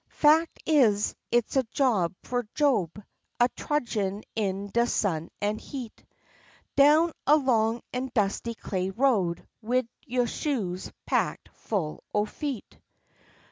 Fact is, it's a job for Job, a trudgin' in de sun an' heat, Down a long an' dusty clay road wid yo' shoes packed full o' feet.